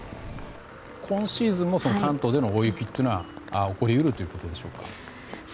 今シーズンもその関東での大雪は起こり得るということでしょうか。